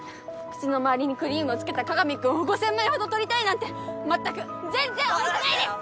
口の周りにクリームをつけた各務君を５０００枚ほど撮りたいなんて全く全然思ってないです！